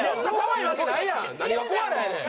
何がコアラやねん。